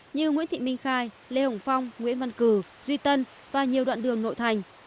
như nguyễn thị minh khai lê hồng phong nguyễn văn cử duy tân và nhiều đoạn đường nội thành